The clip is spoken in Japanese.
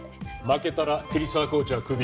負けたら桐沢コーチはクビ。